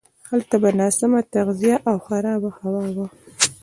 هلته به ناسمه تغذیه او خرابه هوا وه.